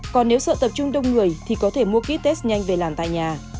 còn nếu sợ tập trung đông người thì có thể mua ký test nhanh về làm tại nhà